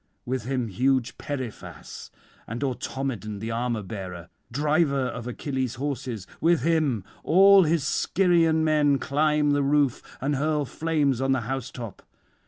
With him huge Periphas, and Automedon the armour bearer, driver of Achilles' horses, with him all his Scyrian men climb the roof and hurl flames on the housetop.